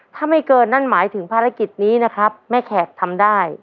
ถ้าไม่เกินนั่นหมายถึงภารกิจนี้นะครับแม่แขกทำได้